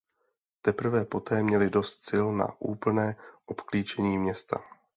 Teprve poté měli dost sil na úplné obklíčení města.